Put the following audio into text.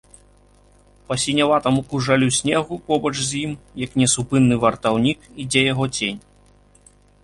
Па сіняватаму кужалю снегу, побач з ім, як несупынны вартаўнік, ідзе яго цень.